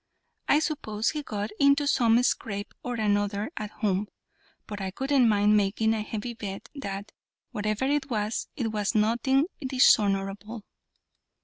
I suppose he got into some scrape or other at home; but I wouldn't mind making a heavy bet that, whatever it was, it was nothing dishonourable."